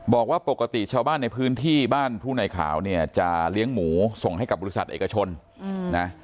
บอกว่าปกติชาวบ้านในพื้นที่บ้านผู้ในขาวเนี่ยจะเลี้ยงหมูส่งให้กับบริษัทเอกชนนะ